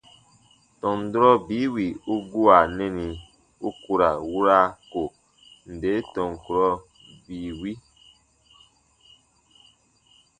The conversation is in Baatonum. Tɔn durɔ bii wì u gua nɛni u ku ra wura ko nde tɔn kurɔ bii wi.